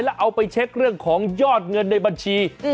แล้วเอาไปเช็คเรื่องของยอดเงินในบัญชี